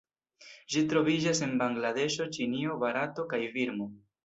Ĝi troviĝas en Bangladeŝo, Ĉinio, Barato kaj Birmo.